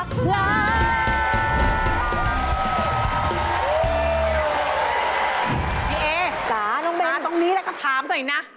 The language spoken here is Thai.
พี่เอ๊ะมาตรงนี้แล้วก็ถามสินะจ๊ะน้องเบ้น